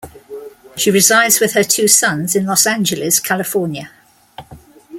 She resides with her two sons in Los Angeles, California.